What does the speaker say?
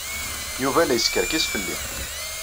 Yuba la yeskerkis fell-i.